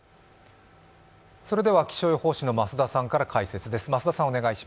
それでは気象予報士の増田さんから解説です。